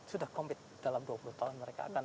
sudah commit dalam dua puluh tahun mereka akan